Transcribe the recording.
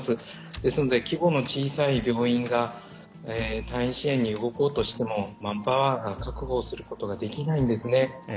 ですので、規模の小さい病院が退院支援に動こうとしてもマンパワーが確保することができないんですね。